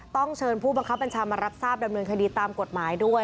ต้องเชิญผู้บังคับบัญชามารับทราบดำเนินคดีตามกฎหมายด้วย